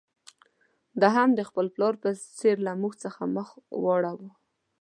ده هم د خپل پلار په څېر له موږ څخه مخ واړاوه.